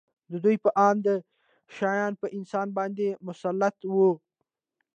د دوی په اند دا شیان په انسان باندې مسلط وو